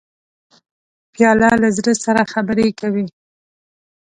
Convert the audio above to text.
پیاله له زړه سره خبرې کوي.